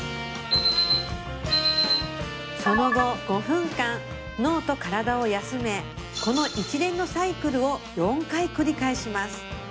その後５分間脳と体を休めこの一連のサイクルを４回繰り返します